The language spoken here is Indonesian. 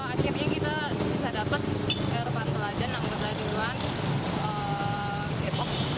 akhirnya kita bisa dapat ervan teladan anggota dewan depok